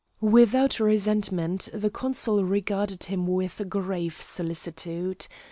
Without resentment, the consul regarded him with grave solicitude.